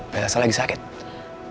makasih ya buat hari ini